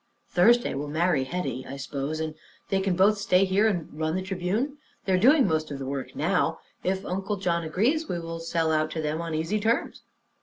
Thursday will marry Hetty, I suppose, and they can both stay here and run the Tribune. They are doing most of the work now. If Uncle John agrees, we will sell out to them on 'easy terms.'"